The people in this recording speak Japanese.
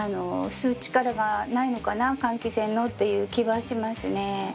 吸う力がないのかな換気扇のっていう気はしますね。